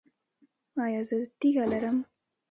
ایا زه تیږه لرم؟